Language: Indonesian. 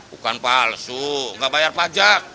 bukan palsu nggak bayar pajak